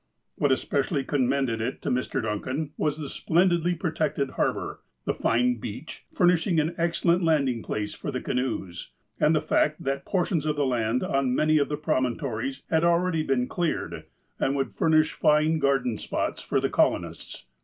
What especially commended it to Mr. Duncan was the splendidly protected harbour, the fine beach, furnish ing an excellent landing place for the canoes, and the fact that portions of land on many of the promontories had already been cleared, and would furnish fine garden spots for the colonists.